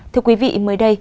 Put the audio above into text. thưa quý vị mới đây